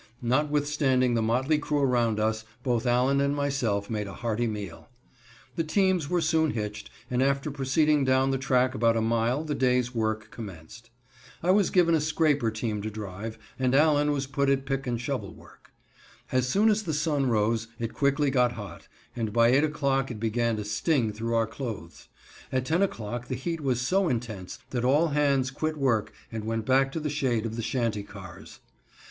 Notwithstanding the motley crew around us, both Allen and myself made a hearty meal. The teams were soon hitched, and after proceeding down the track about a mile the day's work commenced. I was given a scraper team to drive, and Allen was put at pick and shovel work. As soon as the sun rose it quickly got hot, and by 8 o'clock it began to sting through our clothes. At 10 o'clock the heat was so intense that all hands quit work and went back to the shade of the shanty cars.